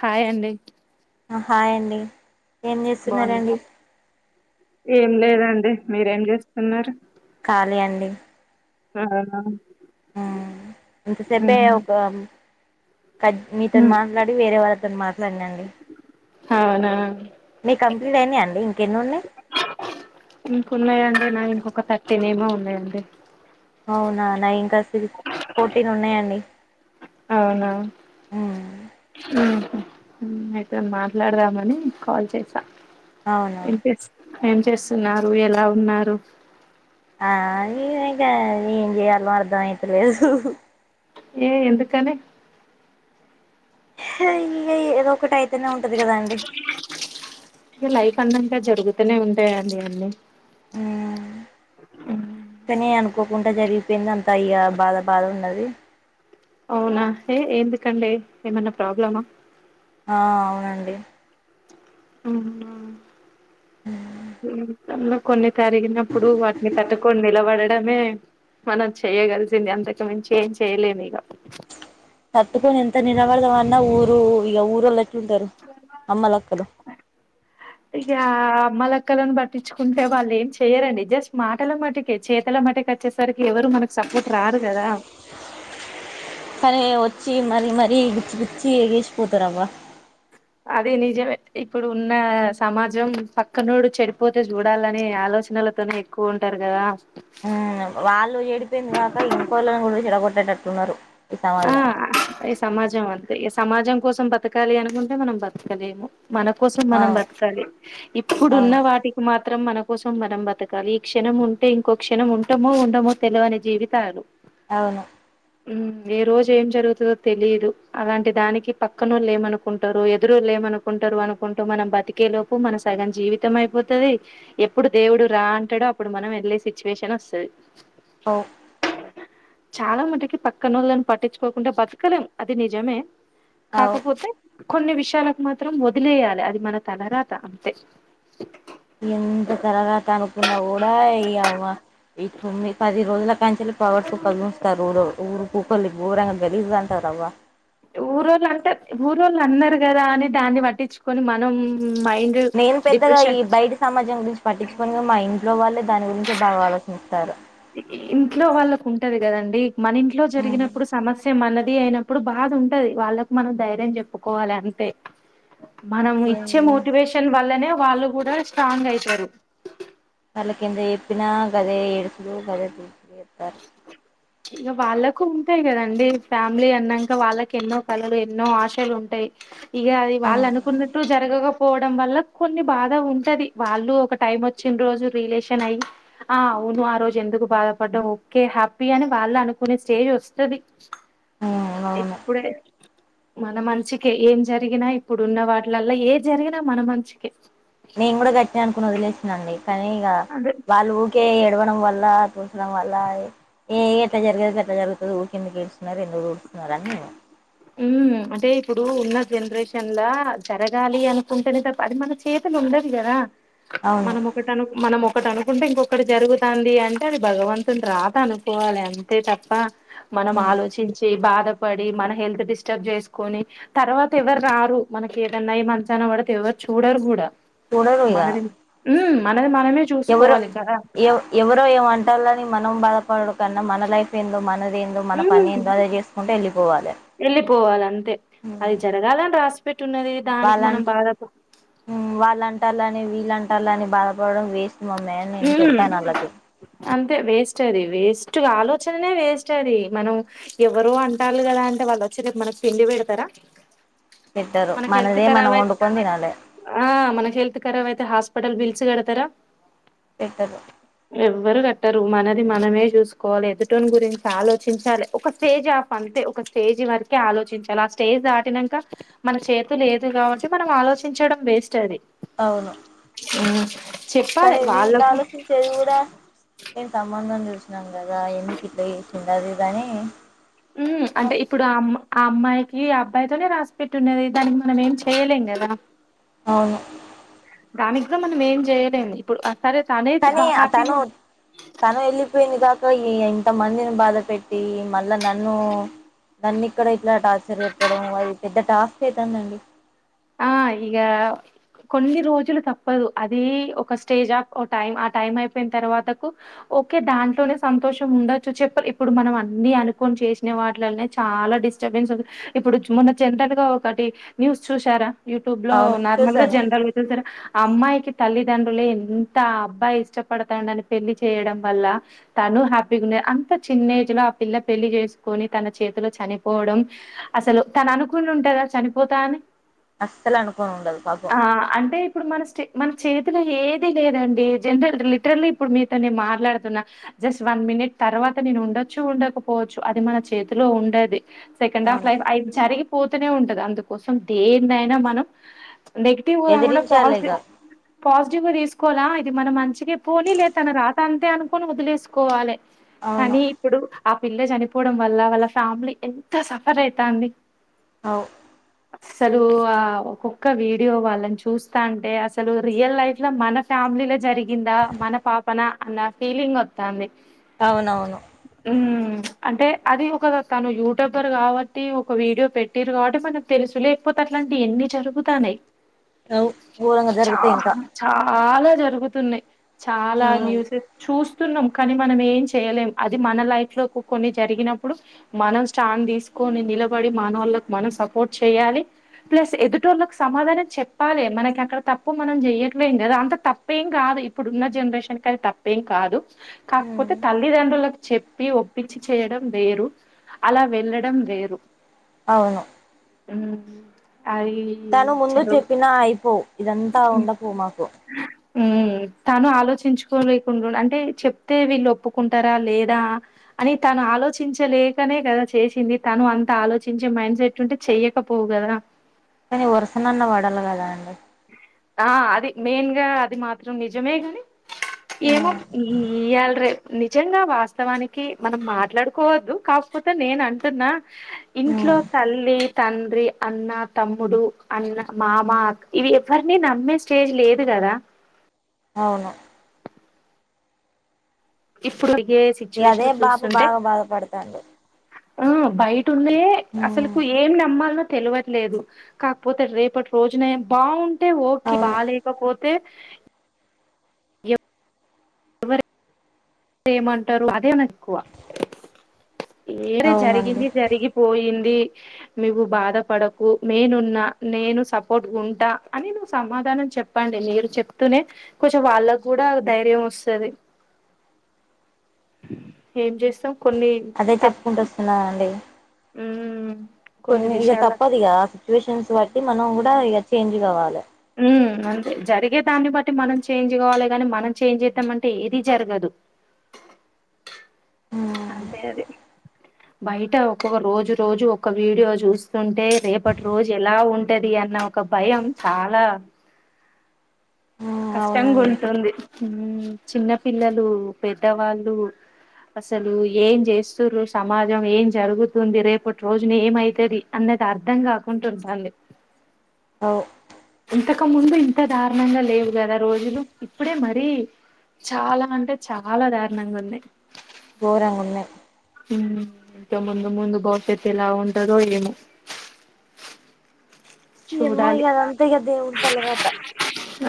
Hi అండి hi అండి ఏం బాగున్నా చేస్తున్నండి ఏం లేదండి మీరేం చేస్తున్నారు ఖాలీ అండి ఆ ఇంతసేపే ఒక మీతో ఉమ్ మాట్లాడి వేరే వాళ్ళతో మాట్లాడినండి అవునా మీ కంప్లీట్ అయినాయి అండి ఇంకెన్ని ఉన్నాయి ఇ ఉన్నాయ అండి నా ఒక థర్టీన్ ఏమో ఉన్నాయండి అవునా న ఇంకా సిక్స్ ఫోర్టీన్ ఉన్నాయండి అవునా ఉమ్ అయితే మాట్లాడదామని కాల్ చేసా అవును ఏం చేస్ ఏం చేస్తున్నారు ఎలా ఉన్నారు ఆ ఇ ఇంకా ఏం చేయయాలో అర్ధం అయితలేదు ఏ ఎందుకనే ఇకద ఒకటి అయితేనే ఉంటది కదా అండి లైఫ్ అందం జరుగుతూనే ఉంటాయండి అవన్నీ తని అనుకు అకోకుండా జరిగిపోయింది అంత అయ్యా బాధ బాధ ఉన్నది అవునా ఏ ఎందుకండి ఏమన్నా ప్రాబ్లమా ఆ అవునండి మ్... తనలో కొన్ని జరిగినప్పుడు వాటిని తట్టుకొని నిలబడ మ్మీ... మనం చెయగలిసింది అంతకు మించి ఏం చేయలేము ఇక తట్టుకోని ఎంత నిలబడదమన్న ఊరు ఈ ఊరోలు ఇక మల క్కలను పట్టించుకుంటే వాళ్ళు ఏం చేయ్యరండి జస్ట్ మాటల మటికె చేతల మటికి వచ్చేసరికి ఎవరు మనకు సపొర్ట్ ఇటురారుగదా కానీ కుదరద అదీ నిజమే ఇప్పుడు ఉన్న సమాజం పక్కనోడు చెడిపోతే చూడాలని ఆలోచన తోనే ఎక్కువ ఉంటారు కదా వాళ్ళు చెడిపోయింది కాక ఇంకోళ్ళని కూడా చెడగొట్టేటట్టున్నారు ఈ ఆ సమాజం ఈ సమాజం అంతే ఈ సమాజం కోసం బతకాలి అనుకుంటే మనం బతకలేము మన కోసం మనం అవును బతకాలి ఇప్పుడున్న అవును వాటికి మాత్రం మాత్రం మన కోసం మనం బతకాలి ఈ క్షణం ఉంటే ఇంకో క్షణం ఉంటమో ఉండమో తెలివని జీవితాలు అవును ఏ రోజు ఏం జరుగుతుదో తెలియదు అలాంటి దానికి పక్కనోళ్ళుఏమనుకుంటారో ఎదురుళ్ళేమనుకుంటారు అనుకుంటూ మనం బతికే లోపు మన సగం జీవితం అయిపోతుది ఎప్పుడు దేవుడు రా అంటడో అప్పుడు మనం వెళ్ళే సిచ్యువేషన్ వస్తది అవ్ చాలా మటికి పక్కనోళ్ళను పట్టించుకోకుండా బతకలేం అది నిజమే అవు కాక పోతే కొన్ని విష యలకు మాత్రం వదిలేయాలి అది మన తలరాత అంతే ఎంత తలరాతనుకున్నా కూడా ఈ అవ్వ ఈ కొన్ని పది రోజుల కంచలి పవర్సు కలు ముస్తారుఊరు ఊరు కొకలు ఘోరంగా గలీజ్ గా అంటరవ్వ ఊరోళ్ళు అంటే ఊరోళ్ళు అన్నారు కదా అని దాన్ని పట్టించుకొని మనం మైండ్ నేను పెద్దగా ఈ డిప్రెషన్ బయటి సమాజం గురించి పట్టిచ్చుకోనుగా మా ఇం ట్లో వాళ్ళే దాని గురించి బాగా ఆలోచిస్తారు ఇంట్లో వాళ్ళకు ఉంటది కదండి మన ఇంట్లో జరిగినప్పుడు సమస్య మనది ది అయినప్పుడు బాధ ఉంటది వాళ్ళకు మనం ధైర్యం చెప్పుకోవాలి అంతే మనం ఇచ్చే ఏం మోటివేషన్ వల్లనే వాళ్ళు కూడా స్ట్రాంగ్ అయితరు వాళ్ళ కింద చెప్పినా గదే ఏడుసుడూ గదే తుడుసుడూ చెప్తారు ఇక వాళ్ళకు ఉంటాయి కదండి ఫ్యామిలీ అన్నాక వాళ్ళకి ఎన్నో కలలు ఎన్నో ఆశలు ఉంటాయి ఇక అది వాళ్ళు అనుకున్నట్టు జరగక పోవడం వల్ల కొన్ని బాధ ఉంటది వాళ్ళు ఒక టైం వచ్చిన రోజు రియలేషన్ అయి ఆ అవును ఆ రోజు ఎందుకు బాధపడ్డం ఓకే హ్యాపీ అని వాళ్ళు అనుకునే స్టేజ్ వస్తది ఉమ్ అవును ఇప్పుడే మన మంచికే ఏం జరిగినా ఇప్పుడున్న వాటిలల్లా ఏది జరిగినా మన మంచికే నేను కూడా గట్టినా అనుకుని వదిలేసినాండి కానీ ఇక అదే వాళ్ళు ఊకే ఏడవ వల్ల చూసడం వల్ల ఏ ఎట్లా జరిగేద అట్ల జరుగుతుది ఊరికె ఎందుకేడుస్తున్నారు ఎందుకేడుస్తున్నారు అ... ఉ అంటే ఇప్పుడు ఉన్న జనరేషన్ లా జరగాలి అనుకుంటేనే తప్ప అది మన చేతలు ఉ ఉండది కదా అవును మనం ఒకట అను మనము ఒకటి అనుకుంటే ఇంకొకటి జరుగుతాంది అంటే అది భగవంతుని రాత అనుకోవాలి అంతే తప్ప మనం ఆలోచించే బ పడి మన హెల్త్ డిస్టర్బ్ చేసుకొని తర్వాత ఎవరు రారు మనకి ఏదన్నా అయి మంచానా పడితే ఎవర్ చూడరు గూడా చూడరు ఇగ మనది మనది మనమే ఎవరో చూసుకోవాలి కదా! ఎ ఎవరో ఏం అంటోళ్లని మనం బాధపడడం కన్నా మన లైఫ్ ఏందో మనది ఏందో మన పని ఏందో అదే చేసుకుంట ఎళ్ళి ఎళ్ళిపోవాల అంతే అది జరగాలని రాసి వాళ్ళ వాళ్ళంటాళ్ళని వీళ్ళంటాళ్ళని బాధపడడం వేస్ట్ మమ్మీ అని నేను హ్మ్ చెప్పాను వాళ్ళకి అంతే వేస్ట్ అది వేస్ట్ స్ట్ ఆలోచననే వేస్ట్ అది మనం ఎవరో అంటార్లే గదా అంటే వాళ్ళు వచ్చి రేప్ మనకి పిండి పెడతారా పెట్టరు మనకు హెల్త్ మనదే మనం ఖరాబ్ అయి వండుకొని తినాలి ఆ మనకు హెల్త్ ఖరాబ్ అయితే హాస్ పటల్ బిల్స్ గడతర పెట్టరు ఎవ్వరు గ ట్టరు మనది మనమే జూస్కోవాలె ఎదుటోన్ని గురించి ఆలోచించాలి ఒక స్టేజ్ ఆఫ్ అంతే ఒక స్టేజ్ జ్ వరకే ఆలోచించాలి ఆ స్టేజ్ దాటినంక మన చేతు లేదు కాబట్టి మనం ఆలోచించడం వేస్ట్ అది అవును చెప్పాలె కానీ వీళ్ళు ఆలోచించేది గూడా నేను సంబంధం చూసినందు గదా ఎందుకు ఇట్లా చేస్తుండాదిది అని ఉమ్, అ అంటే ఇప్పుడు ఆ అమ్ ఆ అమ్మాయికి అబ్బాయితోనే రాసి పెట్టి ఉన్నది దానికి మనం ఏం చేయలేం గద అవును గామిగ్జం మనం ఏం జేయలేం ఇప్పుడు అ కానీ తను తను ఎళ్ళిపోయింది గ సో ఇంత మందిని బాధ పెట్టి మళ్ళా నన్ను నన్ను ఇక్కడ ఇలా టార్చర్ పెట్టడం అది పెద్ద టాస్క్ అయితాంది అండి ఆ ఇగా కొన్ని రోజులు తప్పదు అది ఒక స్టేజ్ ఆఫ్ ఒక టైం ఆ టైం అయిపోయిన తర్వాతకు ఓకే దాంట్లోనే సంతోషం ఉండొచ్చు చెప్ ఇప్పుడు మనం అన్ని అనుకొన్ చేసిన వాటిలనే చాలా డి స్టర్బన్స్ వద్దు ఇప్పుడు మొన్న జంటల్ గా ఒకటి న్యూస్ చూశర యూట్యూబ్ లో అవును నార్మల్ గా చూసాను జనరల్ వి చూసర అమ్మాయికి తల్లిదండ్రులే ఎంత అబ్బాయి ఇష్టపడతాడని పెళ్లి చేయడం వల్ల త లు హ్యాపీ గా ఉంది అంత చిన్న ఏజ్ లో ఆ పిల్ల పెళ్లి జేసుకొని తన చేతిలో చనిపోవడం అసల్ తను అనుకుని ఉంటద చనిపోతా అని అస్సలు అనుకోని ఉండదు పాపం ఆ! అంటే ఇప్పుడు మన స్టే మన చేతిలో ఏది లేదండి జనరల్ లిటరల్లీ ఇప్పుడు మీతో నేను మాట్లాడుతున్నా జస్ట్ వన్ మినిట్ తర్వాత నేను ఉండొచ్చు ఉండకపోవచ్చు అది మన చేతిలో ఉండది సెకండ్ ఆఫ్ అవును లైఫ్ అయ్ జరిగిపోతూనే ఉంటది అందుకోసం దేన్నైనా మనం నెగిటివ్ కాకుండా ఎదిరించాలి ఇగ పాజిటివ్ పాజిటివ్ గా తీసుకు కోలా ఇది మనం మంచిగే పోని లే తన రాత అంతే అనుకొని వదిలేసుకోవాలె అవును కాని ఇప్పుడు ఆ పిల్ల చనిపోవడం వల్ల వాళ్ళ ఫ్యామిలీ ఎంత సఫర్ అయితాంది అవ్ అసలు ఆ ఒక్కొక్క వీడియో వాళ్ళని చూస్తాంటే అసలు రియల్ లైఫ్ లో మన ఫ్యామిలీ లో జరిగిందా మన పాపన అన్న ఫీలింగ్ వత్తాంది అవునవును ఉమ్ అంటే అది ఒక తను యూట్యూబర్ కావట్టి ఒక వీడియో పెట్టిరు కావట్టి మనం తెలుసు లేకపోతే అట్లాంటివి ఎన్ని జరుగుతన్నయ్ అవు ఘోరంగా చ జరుగుతాయి ఇంకా చాలా జరుగుతున్నయ్ చాలా న్యూసెస్ చూస్ స్తున్నం కానీ మనం ఏం చేయలేం అది మన లైఫ్ లో కొన్ని జరిగినప్పుడు మనం స్టాండ్ తీసుకు కొని నిలబడి మానోళ్ళలకు మనం సపోర్ట్ చేయాలి ప్లస్ ఎదుటోళ్ళలకు సమాధానం చెప్పాలె మనకి అక్కడ తప్పు మనం జేయ్యట్లేం గద అంత తప్పేం గాదు ఇప్పుడు ఉన్న జనరేషన్ కది తప్పేం కాదు కాకపోతే ఉమ్ తల్లిదండ్రులకు చె పి ఒప్పించి చేయడం వేరు అలా వెళ్ళడం వేరు అవును మ్మ్ తను ముందు చెప్పినా అయిపో ఇదంతా ఉండకు మాకు మ్మ్ తాను ఆలోచించుకోలేకుండుండు అంటే చెప్తే వీళ్ళు ఒప్పుకుంటారా లేదా అని తాను ఆ ఆలోచించలేకనే కదా చేసింది తను అంత ఆలోచించే మైండ్ సెట్ ఉంటే చేయకపోవు గదా కానీ వరుసనన్న వడల్ల కదా అండి ఆ అది మెయిన్ గా అది మాత్రం నిజమే గాని ఏమో ఉమ్ ఇయ్యాలరే నిజంగా వాస్తవానికి మనం మాట్లాడుకోవద్దు కాకపోతే నేను అంటున్నా ఇంట్లో ఉమ్ తల్లి తండ్రి అన్న తమ్ముడు అన్న మామ అక్క ఇవి ఎవరిని నమ్మే స్టేజ్ లేదు గదా అవును ఇప్పుడు అడిగే ఇగ అదే సిచ్యువేషన్ బాబు చూస్తుంటే బాగా బాధపడతాండు ఆ బయట ఉంది ఉమ్ అసల్కు ఏం నమ్మాల్నో తెలవట్లేదు కాకపోతే రేపటి రోజునే బాగుంటే ఓకే బా అవును లేకపోతే ఏమంటరు అదే నాకు ఎక్కువ ఏది అవునండి జరిగింది జరిగిపోయింది నువ్వు బాధ పడకు నేనున్నా నేను సపోర్ట్ ఉంటా అని నువ్వు సమాధానం చెప్పండి మీరు చెప్తూనే కొంచెం వాళ్ళకూడా ధైర్యం వస్తది ఏం చేస్తావ్ కొన్ని అదే త చెప్పుకుంటూ వస్తున్నానండి ఉమ్ కొన్ని ఇగ విషయాల తప్పదు ఇగ ఆ సిచ్యువేషన్స్ బట్టి మనం కూడా ఇగ చేంజ్ కావాలి ఉమ్ అంటే జరిగే దాన్ని బట్టి మనం చేంజ్ కావాలి కాని మనం చేంజ్ చేద్దామంటే ఏది జరగదు ఉమ్ అంతే అది బయట ఒక్కొక్క రోజు రోజు ఒక వీడియో చూస్తుంటే రేపటి రోజు ఎలా ఉంటది ది అన్న ఒక భయం చాలా ఉమ్ కష్టం అవునండి గుంటుంది ఉమ్ చిన్న పిల్లలు పెద్దవాళ్ళు అసలు ఏం చేస్తురు సమాజం ఏం జరుగుతుంది రేపటి రోజున ఏమైతది అంద అర్థం కాకుంటు ఉంటాంది అవ్ ఇంతక ముందు ఇంత దారుణంగా లేవు గదా రోజులు ఇప్పుడే మరీ చాలా అంటే చాలా దారుణంగా ఉంది గోరంగా ఉన్నాయి ఉమ్ ఇంక ముందు ముందు భవిష్యత్ ఎలా ఉంటదో ఏమో ఏమో చూడాలి ఇగ అద అంతే ఇగా దేవుని తలరాత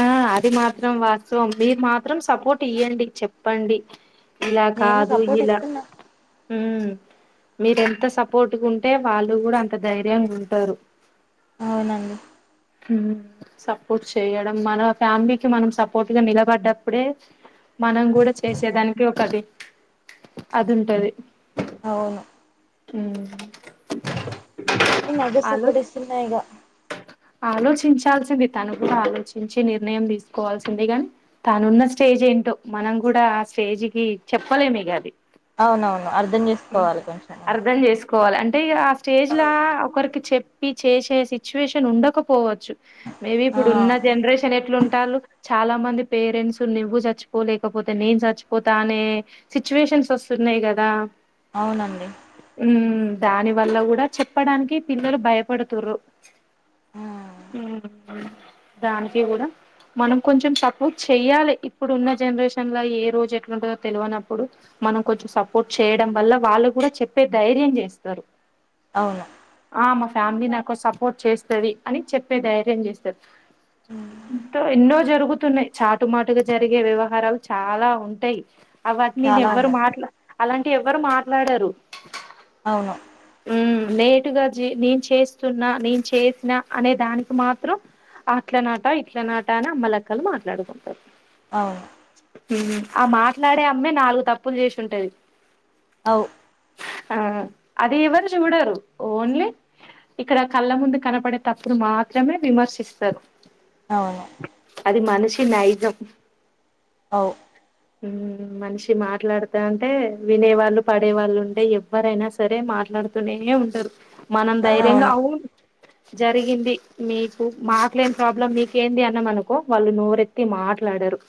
ఆ అది మాత్రం వాస్తవం మీరు మాత్రం సపోర్ట్ ఇయ్యండి చెప్పండి ఇలా నేను కాదు సపోర్ట్ ఇలా ఇస్తున్నా ఉమ్ మీరెంత సపోర్ట్గా ఉంటే వాళ్ళు కూడా అంత ధైర్యంగ ఉంటరు అవునండి ఉమ్ సపోర్ట్ చేయడం మన ఫ్యామిలీకి మనం సపోర్ట్ గా నిలబడ్డప్పుడే మనం గూడా చేసేదానికి ఒకటి అదుంటది అవును ఉమ్ ఈ మధ్య సపోర్ట్ ఇస్తున్న ఇగ ఆలోచించాల్సింది తను గూడా ఆలోచించి నిర్ణయం తీసుకోవాల్సింది గాని తను ఉన్న స్టేజ్ ఏంటో మనం కూడా ఆ స్టేజ్ కి చెప్పలేమ్ ఇగ అది అవునవును అర్థం చేసుకోవాలి కొంచెం అన్న అర్థం చేసుకోవాలి అంటే ఆ స్టేజ్ లా ఒకరికి చెప్పి చేసే సిచ్యుయేషన్ ఉండకపోవ చ్చు మేబి ఆ ఇప్పుడు ఉన్న జనరేషన్ ఎట్లు ఉంటారు చాలా మంది పేరెంట్స్ నువ్వు చచ్చిపోలేకపోతే నేను చచ్చిపోతా అనే సిచ్యువేషన్స్ వస్తు న్నాయి కదా అవునండి దాని వల్ల కూడా చెప్పడానికి పిల్లలు భయపడుతుర్రు ఉమ్ మ్మ్ దాన్కి గుడ మనం కొంచెం సపోర్ట్ చెయ్యాలి ఇప్పుడున్న జనరేషన్ లో ఏ రోజు ఎట్లుంటందో తెలవనప్పుడు మనం కొంచెం సపోర్ట్ చెయ్యడం వల్ల వాళ్ళు గుడా చెప్పే ధైర్యం చేస్తారు అవును ఆ మా ఫ్యామిలీ నాకు సపోర్ట్ చేస్తుది అని చెప్పే ధైర్యం చేస్తరు ఎన్నో జరుగు తున్నయి చాటు మాటుగా జరిగే వ్యవహారాలు చాలా ఉంటయి అ వాటిని చాలా నెవ్వరు ఉన్నాయి మాట్లా అలాంటి ఎవ్వరు మాట్లాడరు అవును నేటుగా జె నేను చేస్తున్నా నేను చేసిన అనే దానికి మాత్రం అట్ల నాట ఇట్ల నాట అని అమ్మలక్కలు మాట్లాడుకుంటరు అవును ఆ మాట్లాడే అమ్మే నాలుగు తప్పులు చేషుంటది ఔ ఆ అది ఎవరు జూడరు ఓన్లీ ఇక్కడ కళ్ళ ముందు కనపడే తప్పును మాత్రమే విమర్శిస్తారు అవును అది మనిషి కినైజం ఔ మ్మ్ మనిషి మాట్లాడుతాంటే వినే వాళ్ళు పడే వాళ్ళు ఉంటే ఎవ్వరైనా సరే మాట్ ట్లాడుతూనే ఉంటారు మనం ధైర్యంగా అవును జరిగింది మీకు మాక్లేని ప్రాబ్లం మీకేంది అన్నమనుకో వాళ్ళు నోరెత్తి మా మాట్లాడరు